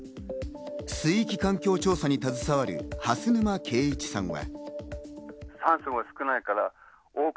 水域環境調査に携わる蓮沼啓一さんは。